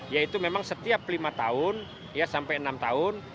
ya itu memang setiap lima tahun ya sampai enam tahun